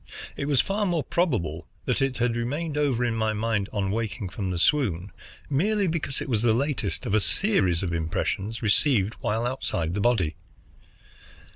It was far more probable that it had remained over in my mind, on waking from the swoon, merely because it was the latest of a series of impressions received while outside the body.